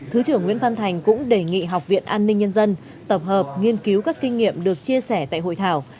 thứ trưởng nguyễn văn thành cũng đề nghị học viện an ninh nhân dân tập hợp nghiên cứu các kinh nghiệm được chia sẻ tại hội thảo